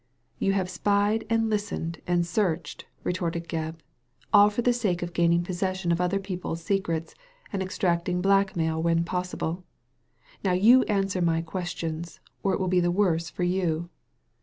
"You have spied and listened and searched," retorted Gebb, "all for the sake of gaining possession of other people's secrets and extracting blackmail when possible. Now you answer my questions, or it will be the worse for you."